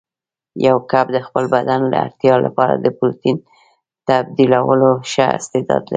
یو کب د خپل بدن اړتیا لپاره د پروتین تبدیلولو ښه استعداد لري.